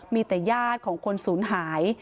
มีแต่ญาติของคนศูนย์หาย